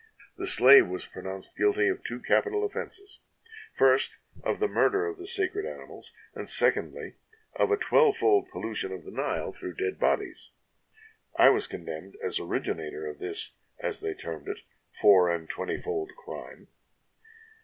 The slave was pronounced guilty of two capital offenses: first, of the murder of the sacred animals, and, secondly, of a twelvefold pollution of the Nile through dead bodies. I was condemned as orig inator of this (as they termed it) four and twenty fold crime.